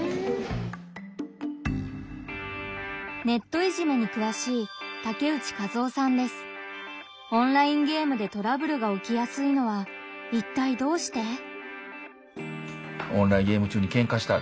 ネットいじめにくわしいオンラインゲームでトラブルが起きやすいのはいったいどうして？